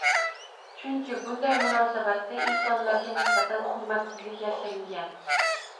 Chunki bunday munosabatda insonlarga nisbatan hurmatsizlik yashiringan.